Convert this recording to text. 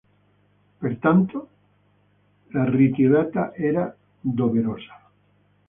Pertanto la ritirata era doverosa.